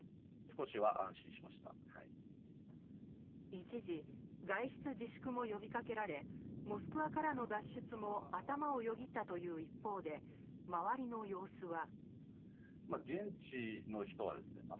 一時、外出自粛も呼びかけられモスクワからの脱出も頭をよぎったという一方で周りの様子は。